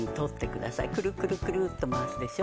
くるくるくるっと回すでしょ。